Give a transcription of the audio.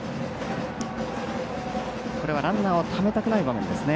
ランナーをためたくない場面ですね